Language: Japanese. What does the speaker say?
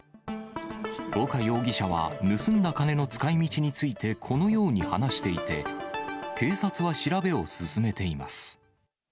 丘容疑者は、盗んだ金の使いみちについて、このように話していて、警察は調べを進めています。